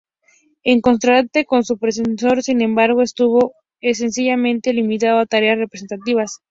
En contraste con su predecesor, sin embargo, estuvo esencialmente limitado a tareas representativas.